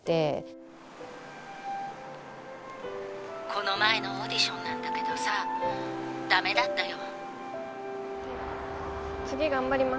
☎この前のオーディションなんだけどさ☎ダメだったよ